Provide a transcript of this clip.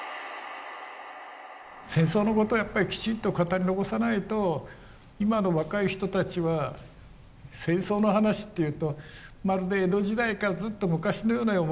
戦争のことをやっぱりきちんと語り残さないと今の若い人たちは戦争の話って言うとまるで江戸時代かずっと昔のように思う。